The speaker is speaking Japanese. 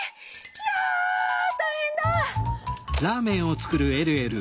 ひゃたいへんだ！